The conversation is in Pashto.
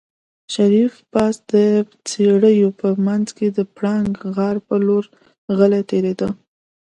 شريف پاس د څېړيو په منځ کې د پړانګ غار په لور غلی تېرېده.